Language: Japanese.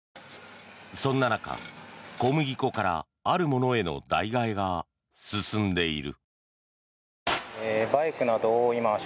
そんな中小麦粉からあるものへの代替えが進んでいる。